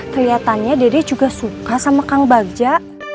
kelihatannya dede juga suka sama kang bagja